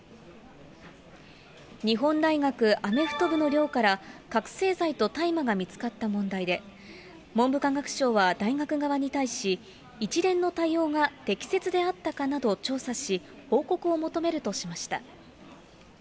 日本大学アメフト部の寮から、覚醒剤と大麻が見つかった問題で、文部科学省は大学側に対し、一連の対応が適切であったかなどを調査し、報告を求めるとしました。